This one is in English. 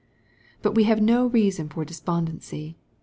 But we have no reason for despondency.